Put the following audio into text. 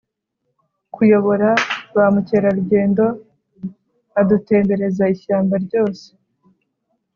kuyobora ba mukerarugendo adutembereza ishyamba ryose,